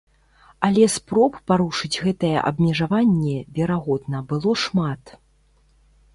Але спроб парушыць гэтае абмежаванне, верагодна, было шмат.